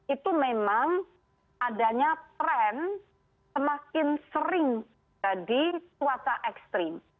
itu memang adanya tren semakin sering jadi cuaca ekstrim